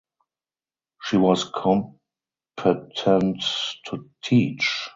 She was competent to teach.